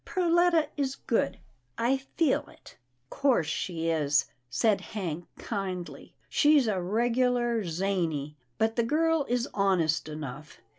Perletta is good. I feel it." " 'Course she is," said Hank, kindly. " She's a regular zany, but the girl is honest enough.